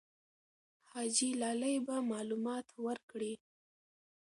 حاجي لالی به معلومات ورکړي.